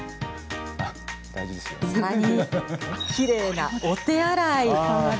さらに、きれいなお手洗い。